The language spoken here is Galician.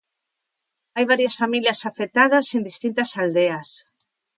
Hai varias familias afectadas en distintas aldeas.